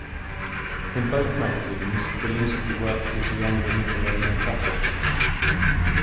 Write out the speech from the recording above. In both magazines Belinsky worked with younger Nikolay Nekrasov.